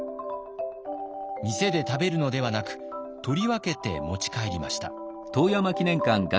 店で食べるのではなく取り分けて持ち帰りました。